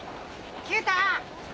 九太！